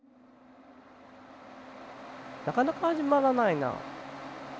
なかなかはじまらないな。